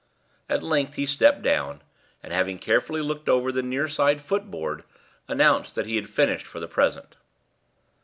At length he stepped down, and, having carefully looked over the near side footboard, announced that he had finished for the present.